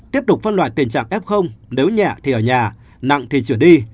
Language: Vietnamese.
tiếp tục phân loại tình trạng f nếu nhẹ thì ở nhà nặng thì trở đi